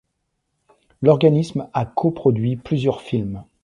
L'organisme à coproduit plusieurs films.